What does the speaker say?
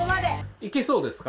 いけそうですか？